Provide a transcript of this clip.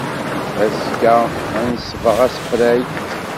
Azekka ad nesbeɣ asefreg.